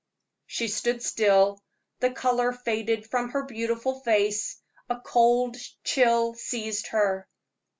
She stood quite still; the color faded from her beautiful face; a cold chill seized her.